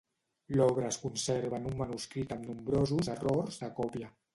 L'obra es conserva en un manuscrit amb nombrosos errors de còpia.